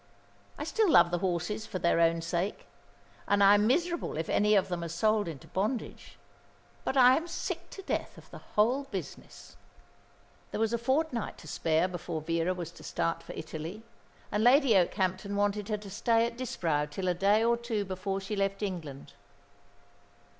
I still love the horses for their own sake; and I am miserable if any of them are sold into bondage. But I am sick to death of the whole business." There was a fortnight to spare before Vera was to start for Italy, and Lady Okehampton wanted her to stay at Disbrowe till a day or two before she left England.